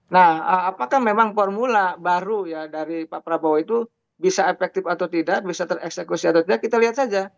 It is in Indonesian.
nah apakah memang formula baru ya dari pak prabowo itu bisa efektif atau tidak bisa tereksekusi atau tidak kita lihat saja